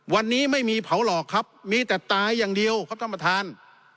วันนี้ไม่มีเผาหลอกครับมีแต่ตายอย่างเดียวครับท่านประธาน